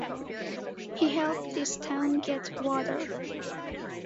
He helped this town get water.